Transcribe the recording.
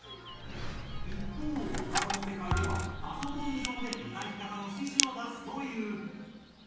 一方ボカロの世界ではパソコン上で歌い方の指示を出すという。